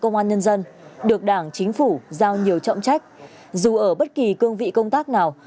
công an nhân dân được đảng chính phủ giao nhiều trọng trách dù ở bất kỳ cương vị công tác nào